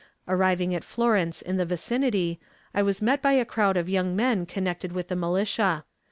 Arriving at Florence in the vicinity, I was met by a crowd of young men connected with the militia.